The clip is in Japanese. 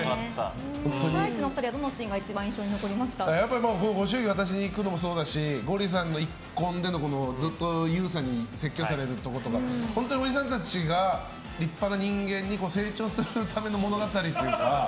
ハライチのお二人はどのシーンがやっぱりご祝儀渡しに行くのもそうですしゴリさんの一献でのずっと説教されてるとか本当におじさんたちが立派な人間に成長するための物語というか。